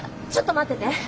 ちょっと待ってて。